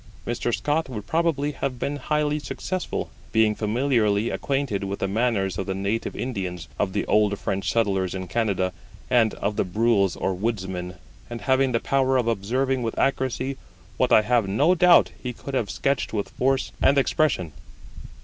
Mr. Scott would probably have been highly successful, being familiarly acquainted with the manners of the native Indians, of the old French settlers in Canada, and of the Brules or Woodsmen, and having the power of observing with accuracy what I have no doubt he could have sketched with force and expression.